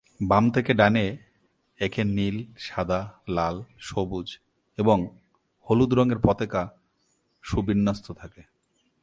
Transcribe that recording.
বাম থেকে ডানে একে নীল, সাদা, লাল, সবুজ এবং হলুদ রঙের পতাকা সুবিন্যস্ত থাকে।